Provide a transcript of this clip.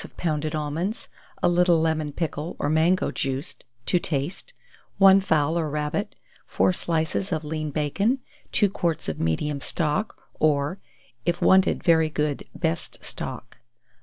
of pounded almonds, a little lemon pickle, or mango juice, to taste; 1 fowl or rabbit, 4 slices of lean bacon; 2 quarts of medium stock, or, if wanted very good, best stock.